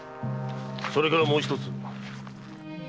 それからもう一つ。